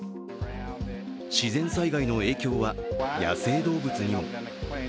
自然災害の影響は野生動物にも。